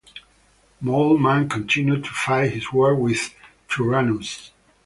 Mole Man continued to fight his war with Tyrannus.